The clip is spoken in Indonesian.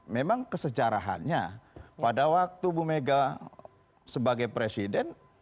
memang kesejarahannya pada waktu bumega sebagai presiden